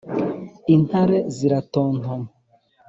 Intare ziratontoma